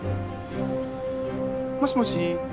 もしもし。